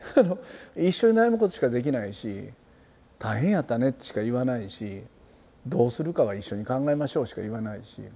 一緒に悩むことしかできないし「大変やったね」しか言わないし「どうするかは一緒に考えましょう」しか言わないし。